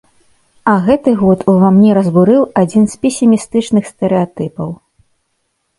А гэты год ува мне разбурыў адзін з песімістычных стэрэатыпаў.